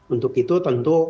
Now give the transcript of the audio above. untuk itu tentu